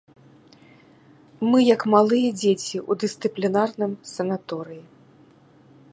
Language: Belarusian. Мы як малыя дзеці ў дысцыплінарным санаторыі.